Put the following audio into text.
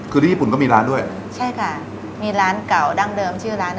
คือที่ญี่ปุ่นก็มีร้านด้วยใช่ค่ะมีร้านเก่าดั้งเดิมชื่อร้านอ่ะ